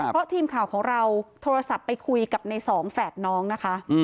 เพราะทีมข่าวของเราโทรศัพท์ไปคุยกับในสองแฝดน้องนะคะ